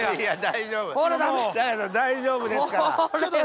大丈夫ですから。